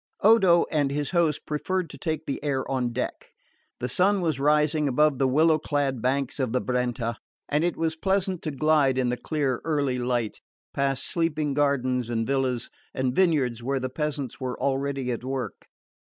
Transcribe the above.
Odo and his host preferred to take the air on deck. The sun was rising above the willow clad banks of the Brenta, and it was pleasant to glide in the clear early light past sleeping gardens and villas, and vineyards where the peasants were already at work.